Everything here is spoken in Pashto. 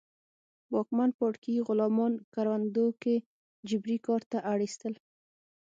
واکمن پاړکي غلامان کروندو کې جبري کار ته اړ اېستل